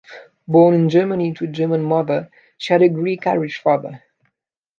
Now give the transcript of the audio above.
Born in Germany to a German mother, she has a Greek-Irish father.